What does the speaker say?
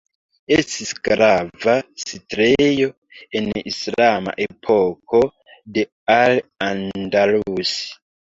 Estis grava setlejo en islama epoko de Al Andalus.